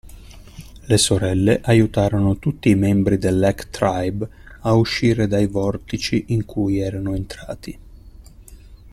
Le sorelle aiutarono tutti i membri dell'Hack Tribe a uscire dai vortici in cui erano entrati.